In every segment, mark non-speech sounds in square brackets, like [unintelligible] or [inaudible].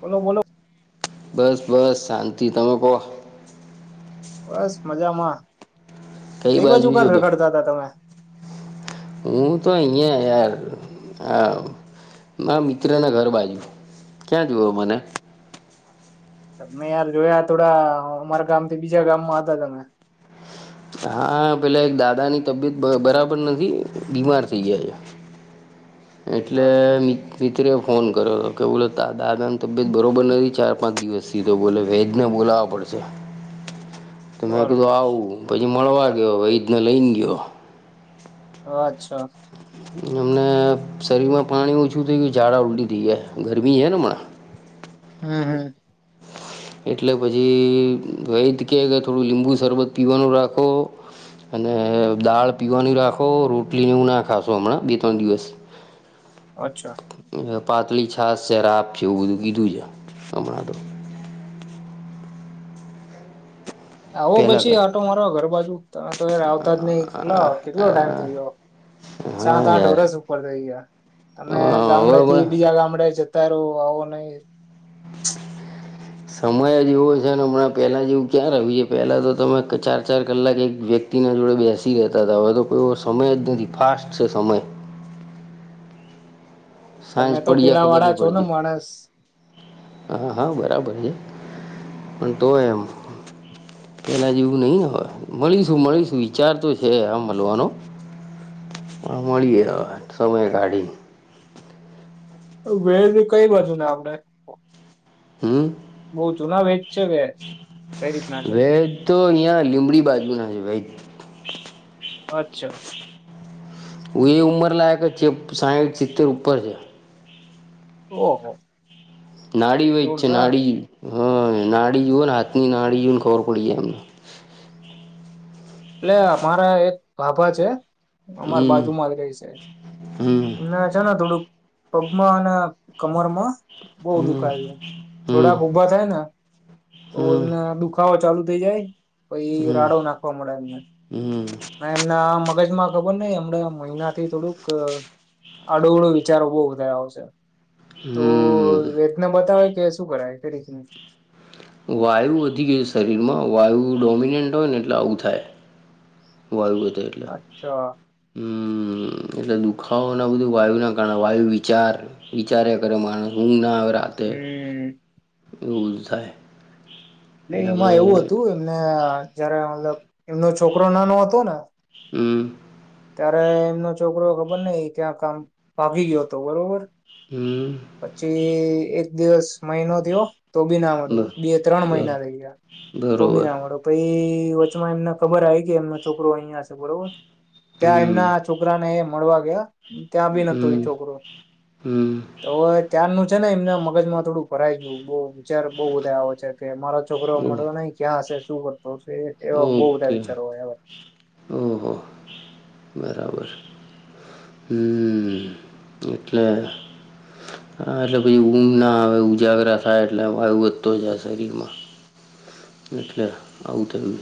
બોલો, બોલો. બસ, બસ, શાંતિ તમે કહ. બસ મજામાં. કઈ બાજુ ઘાલ રખડતા હતા તમે? હું તો. ના, મિત્ર ના ઘર બાજુ, ક્યાં જોયો મને? તમે યાર જોયા થોડા અમારા ગામથી બીજા ગામમાં હતા તમે. હા, પેલા એક દાદાની તબિયત બરાબર નથી, બીમાર થઈ ગયા છે. હ. એટલે અચ્છા મ મિત્ર ફોન કર્યો હતો કે, બોલો? દાદાની તબિયત બરોબર નથી ચાર. પાંચ દિવસ સીધો બોલે, વેજને બોલાવા પડશે તો, મેં કીધું બરોબર આવું પછી. મળવા ગયો, વૈધને લઈને ગયો. અચ્છા અમને શરીરમાં પાણી ઓછું થઈ ગયા, ઝાડા ઊલડી થઈ જાય, ગરમી છે ને હમણાં. હમ, હમ. એટલે પછી વૈદ કે, કે થોડું લીંબુ શરબત પીવાનું રાખો. અને દાળ પીવાની રાખો રોટલીને હું ના ખાશો હમણાં બે ત્રણ દિવસ અચ્છા. પાતળ, છાસ છેે, રાખ્યું છે, એવું બધું કીધું છે, હમણાં તો. આવો પહેલાં પછી આટો કરતાં મારો ઘર બાજુ તમે તો યાર આવતા જ નહી કેટલા કેટલો ટાઈમ થઈ ગયો. હા સાત આઠ યાર વરષ ઉપર થઈ ગયાર તમે હવે ગામડાે હમણાં થી બીજા ગામડાે જ તાર આવો નહી. હ. સમય જેવો છે ને, હમણાં પહેલા જેવું ક્યાં આવ્યું છે, પહેલા તો તમે ચાર-ચાર કલાક એક વ્યક્તિને જોડે બેસી રહેતા હતા, હવે તો કોઈ સમય જ નથી ફાસ્ટ છે સમય. સાંજ તમે તો પડીએ પેલા ખબર નહી વાળા છો ને પડતી. માણસ હા, હા, બરાબર છે. પણ તો એમ. પેલા જેવું નહીય મળીશું મળીશું વિચાર તો છે આ મળવાનો. મળીએે હવે સમય કાઢીને. વેડની કઈ બાજુ ને આપડ. હમ. બઉ છું ના વે વેજ તો અહિયાં લીમડી બાજુ ના છે વેજ. અચ્છા. હું એ ઉંમર લાયક છે સાઈઠ સિત્તેર ઉપર છે. ઓહ. નાડી વેદ નાડી. હા નાડી જોવ ને હાથની નાડી જો ને ખબર પડી જાય એમને. એટલે મારા એક ભાભા છે. અમાર હમ બાજુમાં જ રહી છે હમ છે ને થોડુંક. પગમાં અને કમર માં. બઉ હમ દુખાવ એ હમ થોડાક ઉભા થાય ને તો હમ એમને દુખાવો ચાલુ. થી જાય પછી રાડો નાખવા મળે. હમ. એમના મગજમાં. ખબર નહીં હમણાં મહિના થી થોડુંક આડો અવળો વિચારો બહુ વધયા આવ છે. હમ તો હમ વેદના બતાવે કે શું કરાવે ઘડીકમાં. વાયુ વધી ગઈ શરીરમાં વાયુ ડોમિનેન્ટ હોય ને એટલે આવું થાય. વાયુ વધે એટલે હ. અચ્છા એટલે દુખાવો ના બધું વાયુ ના કારણે વાયુ વિચાર વિચારે કરે માણસ ઊંઘ ના આવે. રાતે હમ. એવું બધું થાય. ને એટલે એમાં આપડે એવું હતું એમને જયારે મતલબ એમનો છોકરો નાનો હતો ને. હમ. ત્યારે એમનો છોકરો ખબર નહીં ત્યાં કામ ભાગી ગયો હતો બરોબર. હમ પછી એક દિવસ મહિનો થયો. તો બી ના બ મળો બે ત્રણ બર મહિના થઈ ગયા તો બી બરોબર ના મળો પહી. વચમાં એમને ખબર આઈ કે એમનો છોકરો અહિયા છે બરોબર ત્યાં હમ એમના છોકરાને એમ. મળવા ગયા ત્યાં બી નતો હમ ઈ છોકરો હમ તો ત્યાં નું. છે ને એમના મગજ માં થોડું ભરાઈ ગયું બહ વિચાર બહુ વધારે આવ છે. કે મારો છોકરો ઓ મળ્યો ન ક્યાં હશે શું કર તો છે એવા બહુ બધા ઓકે વિચારો હોય હવે. ઓહો બરાબર હમ એટલે. હા એટલે પછી ઊંગ ના આવે ઉજાગરા થાય એટલે વાયુ વધતો જાય શરીરમાં. એટલે આવું તો એ.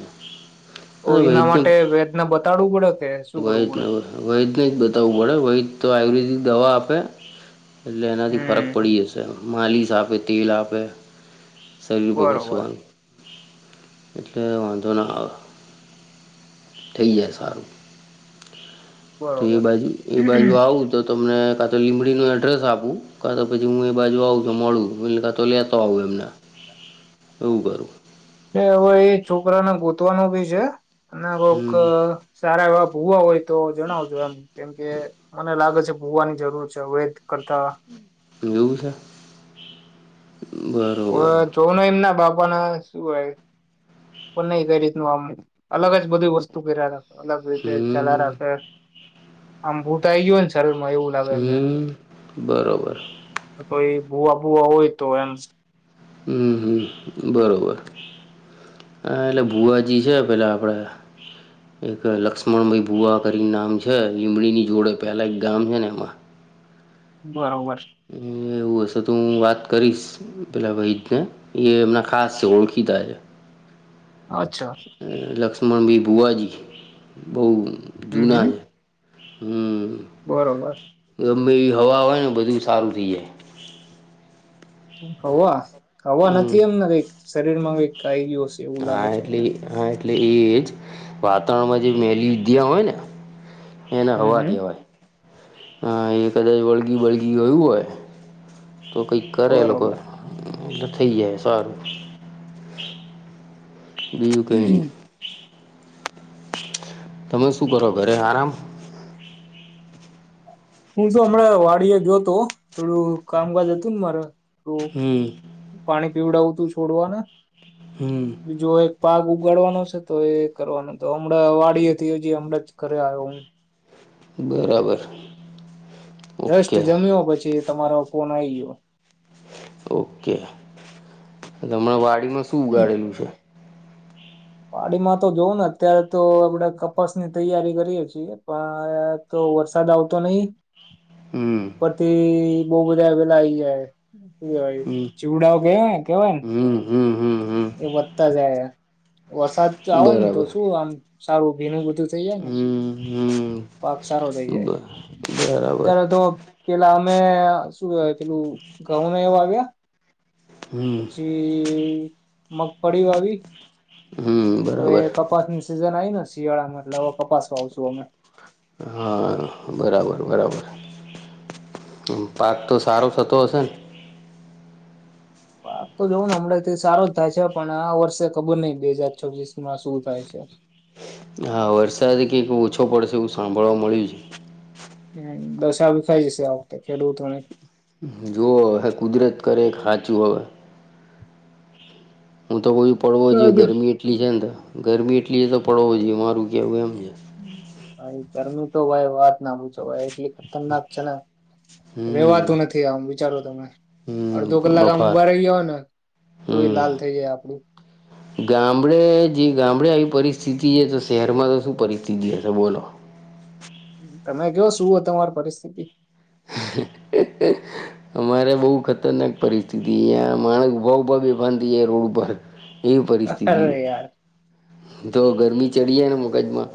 તો એના માટે વેદના બતાડવું પડે. કે શું વૈદ કરવું પડે ન વૈદ નેજ બતાવવું પડે વૈદ તો આયુર્વેદિક દવા આપે. એટલે એનાથી ફરક હમ પડી જશે માલિશ આપે તેલ આપે. શરીર પર બરોબર ઘસવા. એટલે વાંધો ના આવે થઈ જાય સારું. તો એ બરોબર બાજુ એ બાજુ આવું તો ત મને કા તો લીમડીનો એડ્રેસ આપું કા તો પછી હું એ બાજુ આવું છું મળું એટલે કા તો લેતો આવું એમને. એવું કરું. એ હવે એ છોકરાને ગોતવાનું ભી છે અનેક કોક હમ સારા એવા. ભુવા હોય તો જણાવજો એમ કેમ કે મને લાગે છે. ભુવાની જરૂર છે વૈધ કરતા. એવું છે. ઓવે બરોબર જોનું એમ ના બાપા ના શું હોય. પણ નહી કઈ રીતનું આમ અલગ જ બધું વસ્તુ કર્યા હતા અલગ રીતે ચલા હમ રાખે આમ ભૂટ આ આવી ગયો છે. સરળમાં એવું લાગે એમને હમ બરોબર કોઈ ભુવા ભુવા હોય તો એમ ઉ હુ બરોબર. આ એટલે ભુઆજી છે પેલા આપડા એક લક્ષ્મણભાઈ ભુવા કરી નામ છે લીમડીની જોડે પહેલા એક ગામ હેને એમાં બરોબર હમ એ એવું હશે તો હું વાત કરીશ પેલા ભાઈ થે એ એમનાં ખાસ છે ઓળખીતા છે અચ્છા લક્ષ્મણ ભાઈ ભુવાજી બહુ હમ જૂના હમ છે હમ બરોબર મેવી હવા હોય ને બધું સારું થઈ જાય હવા હવા હમ નથી એમને કઈક શરીર માં કંઇક આઇ ગયું છે હશે એવું આ લાગે એટલે મને એ આ એટલે એજ વાતાવરણમાં જે મેલીવિધ્યા હોય ને એને હમ હવા હમ કહેવાય એ કદાચ વળગી બળગી ગયું હોય તો કોઈ કરે એ લોકો બરોબર થઈ જાય સારું બીજુ કઈ નઈ તમે શું કરો ઘરે આરામ હું શ હમણાં વાડી એ ગયો તો થોડું કામકાજ હતું ને મારે તો હમ પાણી પીવડાવું તું છોડવાને હમ બીજો એક પાક ઉગાડવાનો છે તો એ કરવાનો તો હમણાં વાડી હતી હજી હમણાં જ ઘરે આવ્યો હું બરાબર રસ્ટ ઓકે જમ્યો પછી તમારો કોન આઈ ગયો ઓકે હણાં વાડીમાં શું ઉગાડેલું છે પાડીમાં તો જોવ ને અત્યારે તો આપણે કપાસ ની તૈયારી કરીએ છીએ પણ વરસાદ આવતો નહી હમ પરથી બઉં બધા આવેલા આઈ ગ્યા હે હમ [unintelligible] ચીવડાઓ ગયો કેવાયને હમ હમ હમ એ હમ વધતા જાય વરસાદ તો આવો ને તો બરાબર શું આમ સારું ભીનું બધું બું થ જાય ને હમ હમ પાક સારો થઈ બ જાય બરાબર અત્યારે તો પેલા અમે શું પેલું ઘઉમાં એવું આવ્યા હમ પછી મગફળી વાવી હમ હવે બરાબર કપાસ ની સિઝન આવી ને શિયાળામાં એટલે કપાસ વાવ શુ અમે હા બરાબર બરાબર પાક તો સારો થતો હશે ને પાક [inaudible] તો જોઉું ને હમણાં થી સારો જ થાય છે પણ આ વર્ષે ખબર નઈ બે હાજર છો્વીસ માં શું થાય છે હા વરસાદ કઈક ઓછો પડશે એવું સાંભળવા મળ્યું છે દશા વિફરાઈ જશે આ વખતે ખેડૂતોને જોવ હ કુદરત કરે ખાચું હવે હું તો કોઈ પડવો જોઈએ ગરમી એટલી છે ને તો ગરમી એટલી તો પડવો જોઈએ મારું કેવું એમ છે ભાઈ ઘરનું તો વા વાત ના પૂછોથી [unintelligible] તમના છે ને હમ રેવાતું નથી આમ વિચારો તમે અડધો હમ કલાક આમ બફાર ઉભા રહી ગયો હો ને તો એ લાલ હમ થઇ જાય આપડું ગામડે જે ગામડે આવી પરિસ્થિતિ એ છે તો શહેરમાં તો શું પરિસ્થિતિ હશે બોલો અમ તમે કયો શુંહે તમારી પરિસ્થિતિ [inaudible] અમારે બહુ ખતરનાક પરિસ્થિતિ અં માણસ ઊભા ઉભા બે ભંધી કે રોડ ઉપર એવી પરિસ્થિતિ અરે યાર છે તો ગરમી ચડી જાય ને મગજમાં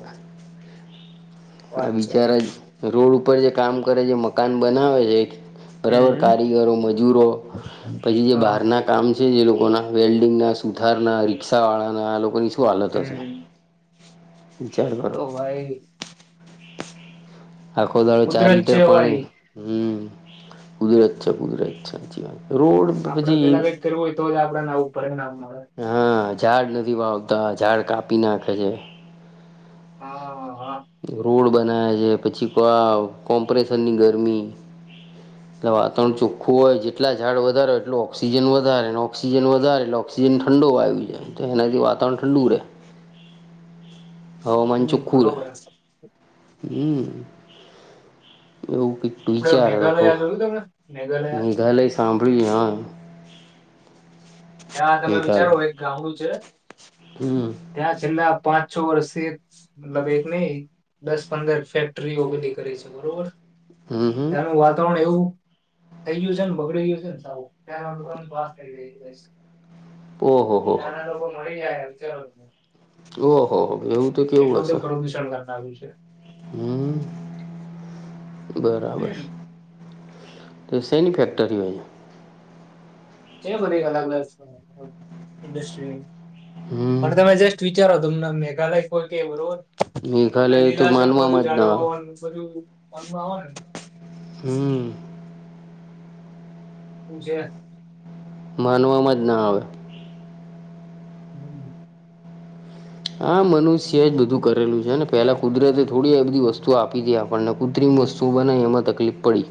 આ વાત છે બિચારા જ રોડ ઉપર જે કામ કરે છે મકાન બનાવે છે બરાબર હમ કારીગરો મજૂરો પછી જે હા બહાર ના કામ છે જે લોકો લોકોના વેલ્ડિંગના સુથારના રિક્ષાવાળાના આ લોકોની શું હાલત હશે હમ વિ જાાર કરો તો ભાઈ આખો દાળો ચાર કુદરત છે લીટર પાણી ભાઈ હમ કુધરત છે કુધર છેચી વા રોડ આપડે પછીબ પેલા કઈક કરવું હોય તો જ આપડાને આવું પરિણામ મળે હા ઝાડ નથી વાવતા ઝાડ કાપી નાખે છે હા હા રોડ બનાવે છે પછી કો કોમ્પરેસનની ગરમી એટલે વાતાવણ ચોખ્ખું હોય જેટલા ઝાડ વધારે હો એટલું ઓક્સિજન વધારેને ઓક્સિજન વધારે એટલે ઓક્સિજન ઠંડો આવી છેાય એનાથી વાતાવરણ ઠંડુ રહેે હવામાન હમ ચોખુર હ બરોબર આપડે હમ એવું પીટું જાર દખો મેઘાલયા જોયું તમે મેઘાલયા સાંભળ જા ત્યાં તમે વિચારો એક ગઉંડું છે હમ ત્યાં છેલ્લા પાંચ છ વર્ષે એક મતલબ એક નહ દસ પંદર ફેક્ટરી ઓ બેધી કરીે છે બરોબર હમ હમ ત્યાનું વાતાવરણ એવું થઈ ગયું છે ને બગડ ગયું છે ને સુંસ કરી ઓહો હો ત્યાંના લોકો મળી જાય હલોને ઓહો હો એવું તો કેવું હશે પ્રદુષણ કરનારું છે હમ બરાબર સેની ફેક્ટરી છે અલગ અલગ ઇન્ડસ્ટ્રી હમ પણ તમે જસ્ટ વિચારો તમને મેઘાલય કો કેવરું તમને મેઘાલય તો લીલાજમ બધું માનવામાં જ ના આવે જાડવાનું બધુંનમાં આવે હમ પજ માનવામાં જ ના આવે [inaudible] હા, મનુષ્ય જ બધું કરેલું છેને. પેલા કુદરતે થોડી બધી વસ્તુઓ આપી હતીી આપણને કુ વસ્તુ, બનાવી એમાં તકલીફ પડી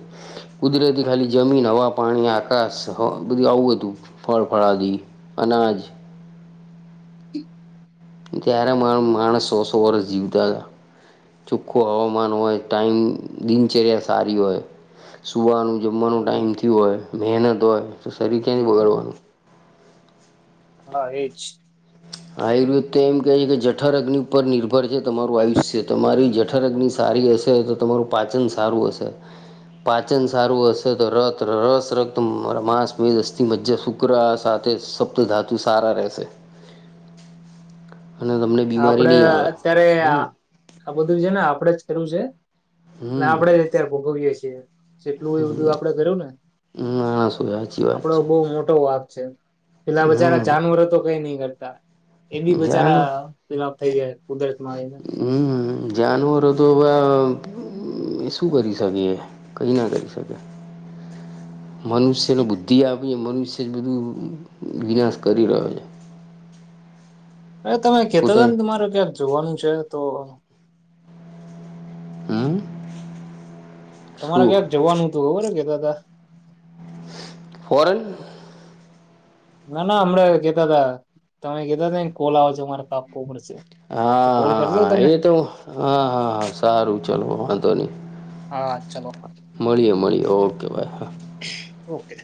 કુદરતી ખાલી જમીન, હવા પાણી આકાશ આવું હતુ, ફળ ફળાદી અનાજ ત્યારે મા માણસ, સો સો વર્ષ જીવતા હતા. ચોખ્ખું હવામાન હોય, ટાઈમ દિનચર્યા સારી હોય સુવાનુ જમવાનું ટાઈઇમ થયું હોય, મહેનત હોય તો શરી ક્યાંથી હમ. બગડવાનુ હા! એજ આયુર્વેદ તો એમ કહે છે, કે જઠર અગ્નિ પર નિર્ભર છે. તમારુ આયુષ્ય તમારી જઠર અગ્નિ સારી સારી હશે, તો તમારું પાચન સારું હશે પાચન સારું હશે, તો ર રસ રત માંસ મેસ્થી મજ્જા શુક્ર સા સપ્ત ધાતુ સારા રહેશે અને તમને બીમારી આપડે, નહીં આવે અત્યારે હમ આ બધું છેને. આપડે જ છે. અને આપણેે જ હમ અત્યારે ભોગવીએ છીએ, જેટલું એ બધું આપડે કર્યું ને [inaudible] વાત આપડો છે બહુ મોટો વાક છે પેલા બચારા હમ જાનવરો તો કઈ નઈ કરતા એ બી જાનો બજારા ફલા થઈ જાય કુદરતમાં આવીને હમ જાનવરો તો હવે શું કરી શકેએ. કઈ ના કરી શકે મનુષ્ય નું બુદ્ધિ આપે મનુષ્ય વિશે બધું વિનાશ કરી રહ્યો છે. અરે તમે કેતા પોતા હતા ને તમારું ક્યાં જોવાનું છે તો હા તમારે ક્યાંક જવાનું હતુ, ખબર કેતા હતા ફોરેન ના-ના હમણાં કેતા તા તમે કેતા તા કોલ આવો છો, અમાર કાપવો પડશે તો કોલ કરી લો હા-હા-હા તમે એ તો હ હા-હા-હા સારું ચલો વાંધો નહી હા. ચલો મળીએ- મળીએ ઓકે ભાઈ હા. ઓકે